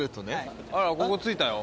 あらここ着いたよ。